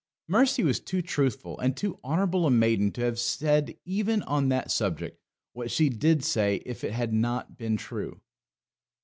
Mercy was too truthful and too honourable a maiden to have said even on that subject what she did say if it had not been true.